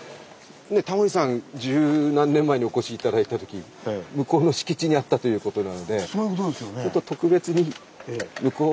タモリさん十何年前にお越し頂いた時向こうの敷地にあったということなのでいいですか？